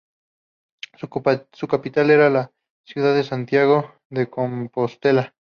Su capital era la ciudad de Santiago de Compostela.